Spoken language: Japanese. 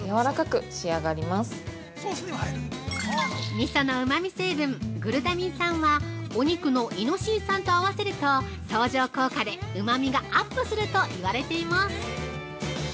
◆みそのうまみ成分グルタミン酸はお肉のイノシン酸と合わせると相乗効果で、うまみがアップするといわれています。